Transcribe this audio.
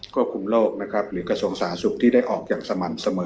ควบคุมโลกหรือกระทรวงสาสุขที่ได้ออกอย่างสมันเสมอ